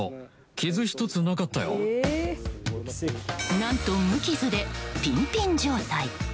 何と、無傷でピンピン状態。